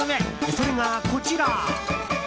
それがこちら！